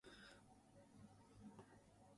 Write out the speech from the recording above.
There are also three replicas of figurines.